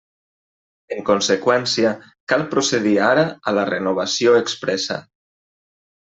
En conseqüència, cal procedir ara a la renovació expressa.